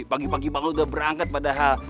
pagi pagi banget udah berangkat padahal